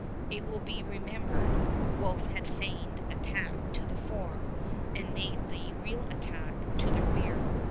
It will be remembered, Wolfe had feigned attack to the fore, and made the real attack to the rear.